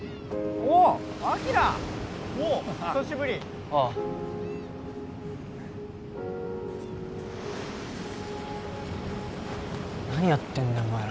おお久しぶりおお何やってんだよお前ら？